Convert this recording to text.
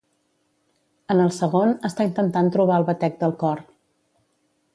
En el segon, està intentant trobar el batec del cor.